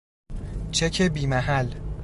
چک بی محل